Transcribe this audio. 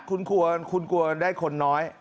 คุ้นกวนคุ้นกวนได้คนน้อย